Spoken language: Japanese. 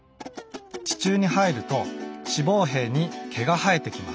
地中に入ると子房柄に毛が生えてきます。